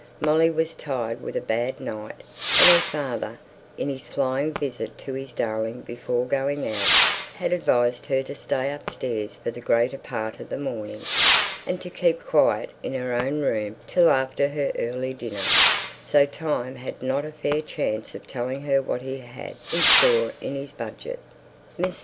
Molly was tired with a bad night; and her father, in his flying visit to his darling before going out, had advised her to stay upstairs for the greater part of the morning, and to keep quiet in her own room till after her early dinner, so Time had not a fair chance of telling her what he had in store in his budget. Mrs.